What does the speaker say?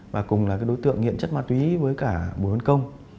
và cùng là đối tượng nghiện chất ma túy với cả bùi văn công